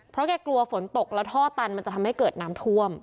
เพราะแกกลัวฝนตกแล้วท่อตันมันจะทำให้เกิดน้ำท่วม